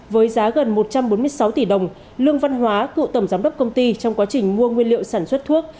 với giá gần một trăm bốn mươi sáu tỷ đồng lương văn hóa cựu tổng giám đốc công ty trong quá trình mua nguyên liệu sản xuất thuốc